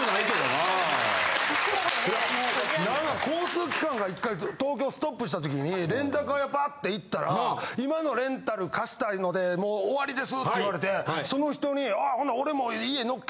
なんか交通機関が１回東京ストップした時にレンタカー屋パッ！って行ったら今のレンタル貸したいのでもう終わりですって言われてその人にああほんなら。